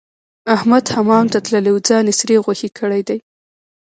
احمد حمام ته تللی وو؛ ځان يې سرې غوښې کړی دی.